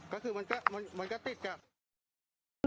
ก็คือมันก็ติดกับ